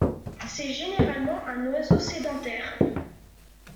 C'est généralement un oiseau sédentaire.